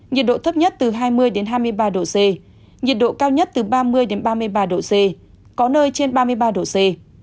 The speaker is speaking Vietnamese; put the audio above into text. nhiệt độ thấp nhất từ hai mươi hai mươi ba độ c nhiệt độ cao nhất từ ba mươi ba mươi ba độ c có nơi trên ba mươi ba độ c